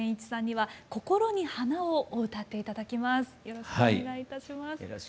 はい。